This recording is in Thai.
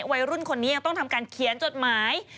วัยรุ่นคนนี้ยังต้องทำการเขียนจดหมาย